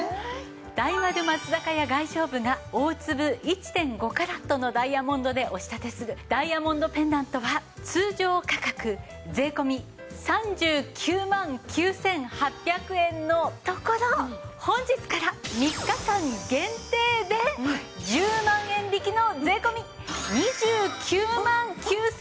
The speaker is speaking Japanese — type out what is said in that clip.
大丸松坂屋外商部が大粒１．５カラットのダイヤモンドでお仕立てするダイヤモンドペンダントは通常価格税込３９万９８００円のところ本日から３日間限定で１０万円引きの税込２９万９８００円です！